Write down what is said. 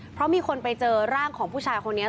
เพราะมีคนไปเจอร่างของผู้ชายคนนี้